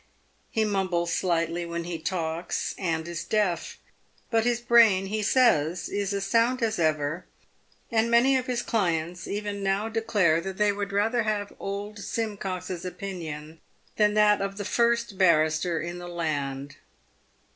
He mumbles slightly when he talks, and is deaf; but his brain, he says, is as sound as ever, and many of his clients even now declare that they would rather have old Simcox' s opinion than that of the first barrister in the land.